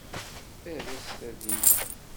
Err-as tadimt.